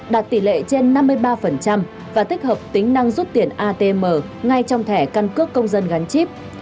đạt tỷ lệ trên năm mươi ba và tích hợp tính năng rút tiền atm ngay trong thẻ căn cước công dân gắn chip